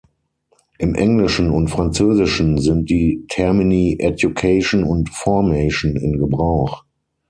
Im Englischen und Französischen sind die Termini "education" und "formation" in Gebrauch.